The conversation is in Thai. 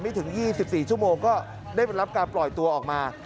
ถึง๒๔ชั่วโมงก็ได้รับการปล่อยตัวออกมา